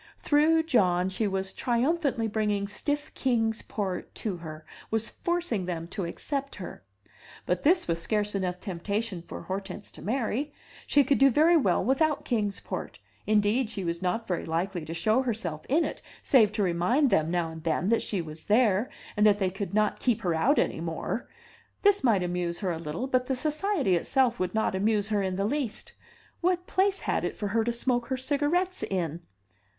Through John she was triumphantly bringing stiff Kings Port to her, was forcing them to accept her. But this was scarce enough temptation for Hortense to marry; she could do very well without Kings Port indeed, she was not very likely to show herself in it, save to remind them, now and then, that she was there, and that they could not keep her out any more; this might amuse her a little, but the society itself would not amuse her in the least. What place had it for her to smoke her cigarettes in?